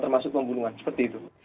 termasuk pembunuhan seperti itu